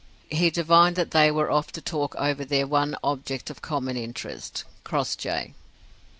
He divined that they were off to talk over their one object of common interest, Crossjay.